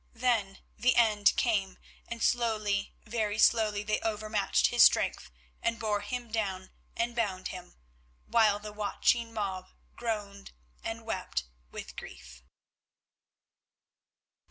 Then the end came, and slowly, very slowly, they overmatched his strength, and bore him down and bound him, while the watching mob groaned and wept with grief.